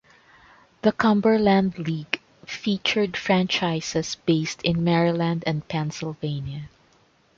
The Cumberland League featured franchises based in Maryland and Pennsylvania.